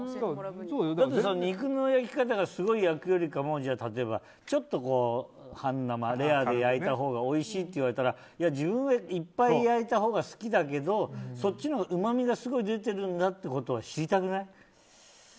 肉の焼き方がすごい焼くより例えばちょっと半生レアで焼いたほうがおいしいって言われたら自分はいっぱい焼いたほうが好きだけど、そっちのほうがうまみが出てるんだってことは知りたくない？